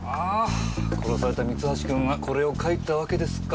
殺された三橋くんがこれを描いたわけですか。